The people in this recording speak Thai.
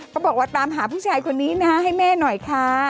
บอกว่าตามหาผู้ชายคนนี้นะให้แม่หน่อยค่ะ